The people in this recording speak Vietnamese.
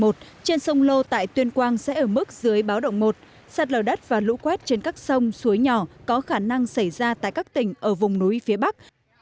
trên sông lô tại tuyên quang sẽ ở mức dưới báo động một sạt lở đất và lũ quét trên các sông suối nhỏ có khả năng xảy ra tại các tỉnh ở vùng núi phía bắc